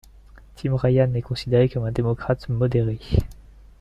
Tim Ryan est considéré comme un démocrate modéré.